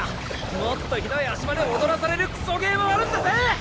もっとひどい足場で踊らされるクソゲーもあるんだぜ！